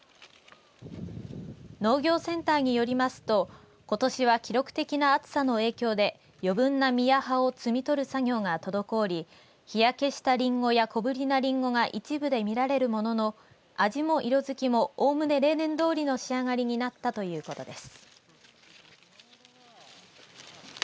農業センターによりますとことしは記録的な暑さの影響で余分な実や葉を摘み取る作業が滞り日焼けしたリンゴや小ぶりなリンゴが一部で見られるものの味も色づきもおおむね例年通りの仕上がりになったということです。